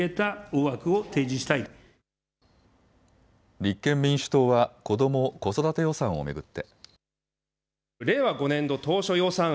立憲民主党は子ども・子育て予算を巡って。